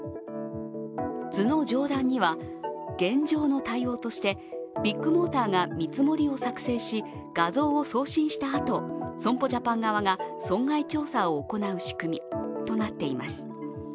図の上段には、現状の対応としてビッグモーターが見積もりを作成し画像を送信したあと、損保ジャパン側が損害調査を行う仕組みとなっています。